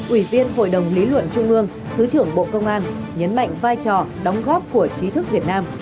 ủy viên hội đồng lý luận trung ương thứ trưởng bộ công an nhấn mạnh vai trò đóng góp của trí thức việt nam